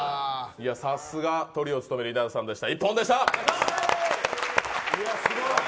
さすがトリを務める稲田さんでした、一本でした。